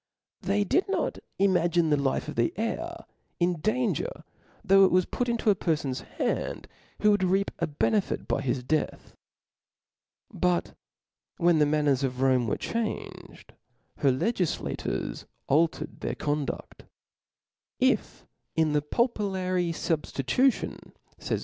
They did not imagine the life of the heir in danger, though it was put into a perfon's hands who would reap a benefit by his death. But when the manners of Rome were changed, her legiflators altered their («)lnfti <^o^duft. If. in the pupillary fubftitution, fay tut.